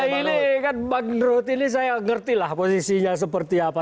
ini kan bang rutin ini saya ngerti lah posisinya seperti apa